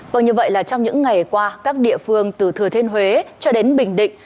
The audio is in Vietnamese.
vâng như vậy là trong những ngày qua các địa phương từ thừa thiên huế cho đến bình định